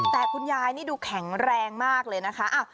แต่คุณยายนี่ดูแข็งแรงมากเลยนะคะ